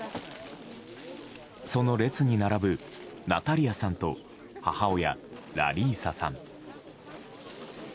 その列に並ぶナタリアさんと母親ラリーサさん。